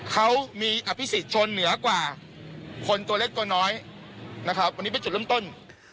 เขามีอภิษฎชนเหนือกว่าคนตัวเล็กตัวน้อยนะครับวันนี้เป็นจุดเริ่มต้น